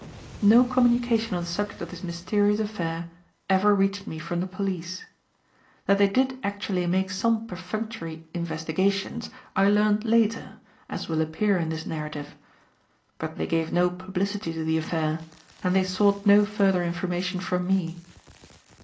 No communication on the subject of this mysterious affair ever reached me from the police. That they did actually make some perfunctory investigations, I learned later, as will appear in this narrative. But they gave no publicity to the affair and they sought no further information from me.